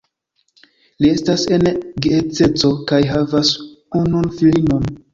Li estas en geedzeco kaj havas unun filinon.